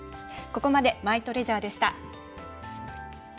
ここまでマイトレジャーでした。